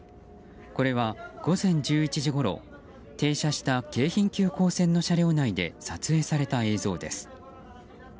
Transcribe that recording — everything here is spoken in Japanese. これは午前１１時ごろ停車した京浜急行線の車両内で撮影された映像です。